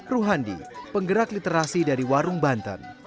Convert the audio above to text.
ruhandi penggerak literasi dari warung banten